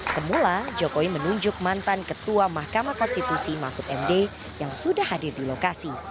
semula jokowi menunjuk mantan ketua mahkamah konstitusi mahfud md yang sudah hadir di lokasi